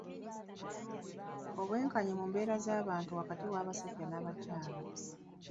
Obwenkanyi mu mbeera z'abantu wakati w'abasajja n'abakyala.